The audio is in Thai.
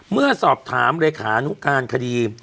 เมื่อสอบถามเลขานุการคดี